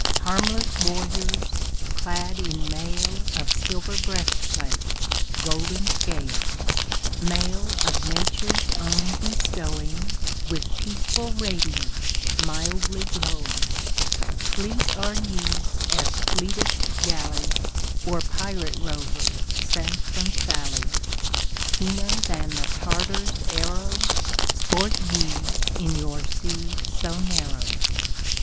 Harmless warriors, clad in mail Of silver breastplate, golden scale; Mail of Nature's own bestowing, With peaceful radiance, mildly glowing Fleet are ye as fleetest galley Or pirate rover sent from Sallee; Keener than the Tartar's arrow, Sport ye in your sea so narrow.